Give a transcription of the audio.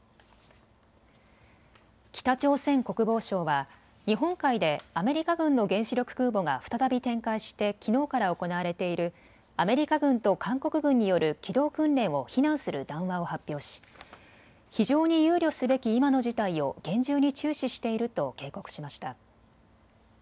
北朝鮮国防省は日本海でアメリカ軍の原子力空母が再び展開してきのうから行われているアメリカ軍と韓国軍による機動訓練を非難する談話を発表し非常に憂慮すべき今の事態を厳重に注視していると警告しました。